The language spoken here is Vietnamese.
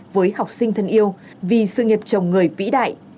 với học sinh thân yêu vì sự nghiệp chồng người vĩ đại